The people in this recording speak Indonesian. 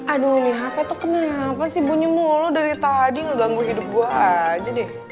aduh nih hape tuh kenapa sih bunyumu lo dari tadi ga ganggu hidup gue aja deh